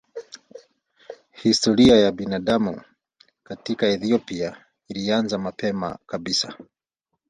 Historia ya binadamu katika Ethiopia ilianza mapema kabisa.